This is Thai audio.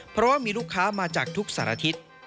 เพราะว่ามีลูกค้ามาจากทุกสารทิศ